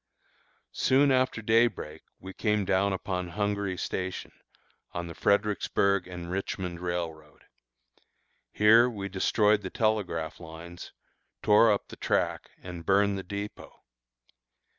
Soon after day break we came down upon Hungary Station, on the Fredericksburg and Richmond Railroad. Here we destroyed the telegraph lines, tore up the track, and burned the dépôt.